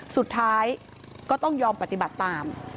สุดท้ายก็ต้องยอมปฏิบัติตาม